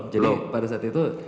jadi pada saat itu